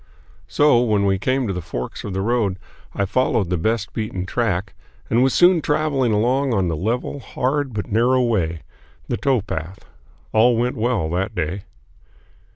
So, when we came to the forks of the road, I followed the best beaten track and was soon traveling along on the level, hard, but narrow way, the towpath. All went well that day.